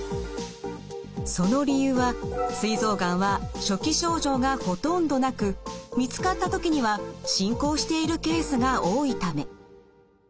その理由はすい臓がんは初期症状がほとんどなく見つかった時には進行しているケースが多いため。